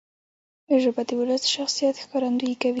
ژبه د ولس د شخصیت ښکارندویي کوي.